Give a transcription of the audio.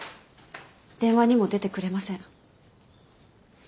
電話にも出てくれません。